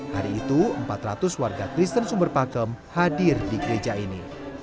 hari itu empat ratus warga kristen sumber pakem hadir di gereja ini